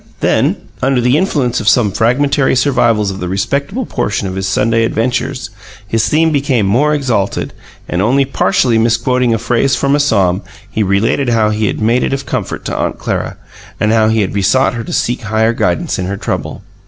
Then, under the influence of some fragmentary survivals of the respectable portion of his Sunday adventures, his theme became more exalted; and, only partially misquoting a phrase from a psalm, he related how he had made it of comfort to Aunt Clara, and how he had besought her to seek Higher guidance in her trouble.